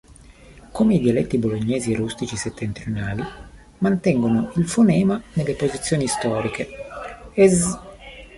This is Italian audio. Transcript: Come i dialetti bolognesi rustici settentrionali, mantengono il fonema nelle posizioni storiche, es.